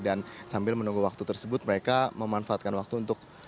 dan sambil menunggu waktu tersebut mereka memanfaatkan waktu untuk